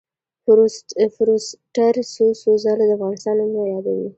فورسټر څو څو ځله د افغانستان نومونه یادوي.